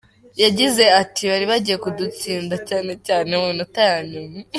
Yagize ati “bari bagiye kudutsinda cyane cyane mu minota ya nyuma”.